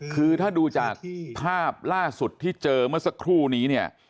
คือถ้าดูจากภาพล่าสุดที่เจอเมื่อสักครู่นี้เนี่ย